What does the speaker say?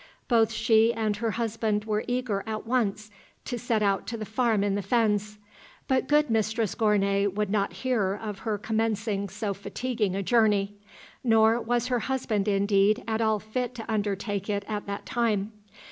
Both she and her husband were eager at once to set out to the farm in the fens; but good mistress Gournay would not hear of her commencing so fatiguing a journey, nor was her husband indeed at all fit to undertake it at that time.